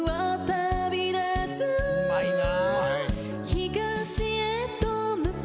うまいな。